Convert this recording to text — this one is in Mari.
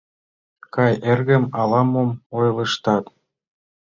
— Кай, эргым, ала-мом ойлыштат?!